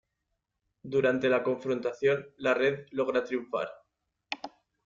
Durante la confrontación la Red logra triunfar.